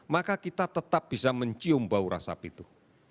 maka kita tetap bisa mencium bau rasa api itu